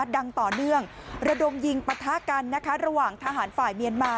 ดังต่อเนื่องระดมยิงปะทะกันนะคะระหว่างทหารฝ่ายเมียนมา